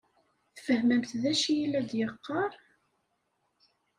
Tfehmemt d aci i la d-yeqqaṛ?